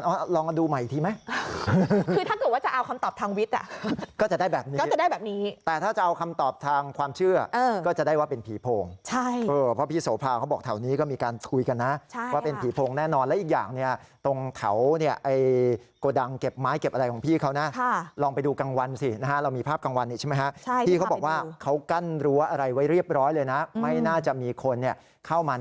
เรียบร้อยเลยไม่น่าจะมีคนเข้ามา